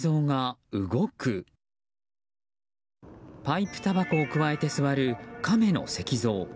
パイプたばこを加えて座るカメの石像。